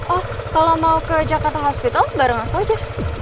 oh kalau mau ke jakarta hospital bareng aku aja